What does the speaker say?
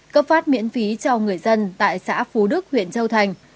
cấp phát miễn phí cho người dân tại xã phú đức huyện châu thành